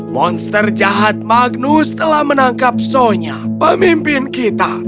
monster jahat magnus telah menangkap sonya pemimpin kita